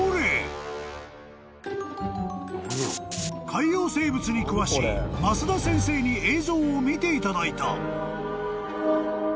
［海洋生物に詳しい益田先生に映像を見ていただいた］